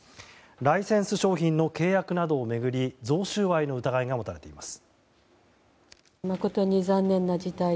ライセンス商品の契約などを巡り贈収賄の疑いが持たれています。